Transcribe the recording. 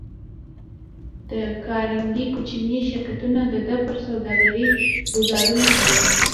د کارنګي کوچني شرکتونه د ده پر سوداګرۍ ګوزارونه کوي